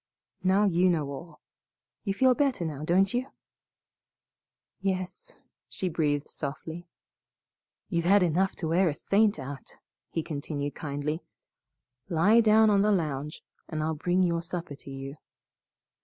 Now you know all. You feel better now, don't you?" "Yes," she breathed softly. "You've had enough to wear a saint out," he continued kindly. "Lie down on the lounge and I'll bring your supper to you."